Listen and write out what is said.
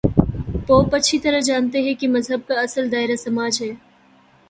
Pope اچھی طرح جانتے ہیں کہ مذہب کا اصل دائرہ سماج ہے۔